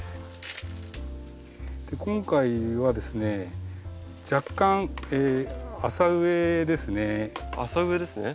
今回はですね若干浅植えですね。